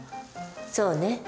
そうね。